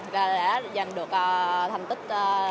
đã giành được thành tích